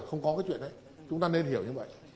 không có cái chuyện đấy chúng ta nên hiểu như vậy